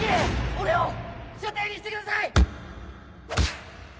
俺を舎弟にしてください！